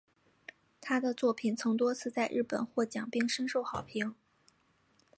她的作品曾多次在日本获奖并深受好评。